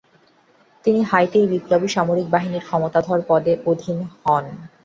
তিনি হাইতির বিপ্লবী সামরিক বাহিনীর ক্ষমতাধর পদে আসীন হন।